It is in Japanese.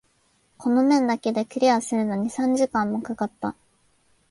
この面だけクリアするのに三時間も掛かった。